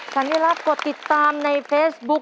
ฉันนี้ล่ะกดติดตามในเฟคสบุค